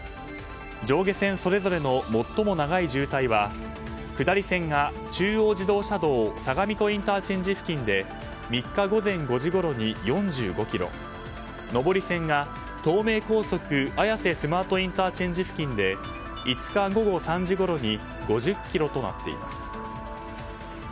上下線それぞれの最も長い渋滞は下り線が中央自動車道相模湖ＩＣ付近で３日午前５時ごろに４５ｋｍ上り線が、東名高速綾瀬スマートＩＣ付近で５日午後３時ごろに５０ｋｍとなっています。